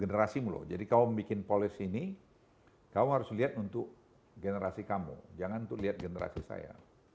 nah saya bilang itu untuk generasi jadi kalau bikin polis ini kamu harus lihat untuk generasi kamu jangan untuk lihat generasi saya